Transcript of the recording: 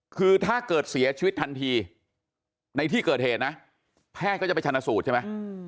คือถ้าเกิดเสียชีวิตทันทีในที่เกิดเหตุนะแพทย์ก็จะไปชนะสูตรใช่ไหม